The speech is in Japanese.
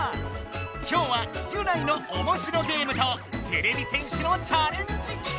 今日はギュナイのおもしろゲームとてれび戦士のチャレンジ企画！